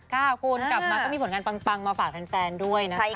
ค่ะคุณกลับมาก็มีผลงานปังมาฝากแฟนด้วยนะคะ